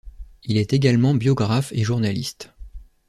Il est également biographe et journaliste.